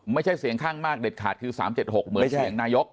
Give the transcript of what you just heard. ไม่ใช่เสียงข้างมากเด็ดขาดคือ๓๗๖เหมือนเสียงนายก